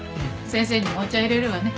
先生にお茶入れるわね。